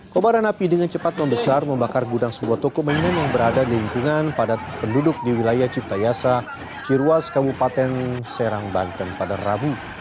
kobaran api dengan cepat membesar membakar gudang sebuah toko mainan yang berada di lingkungan padat penduduk di wilayah cipta yasa cirwas kabupaten serang banten pada rabu